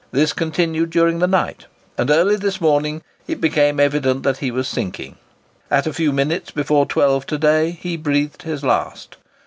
This continued during the night, and early this morning it became evident that he was sinking. At a few minutes before 12 to day he breathed his last.